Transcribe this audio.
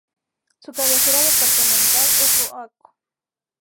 Su cabecera departamental es Boaco.